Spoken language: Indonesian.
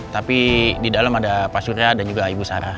tapi di dalam ada pak surya dan juga ibu sarah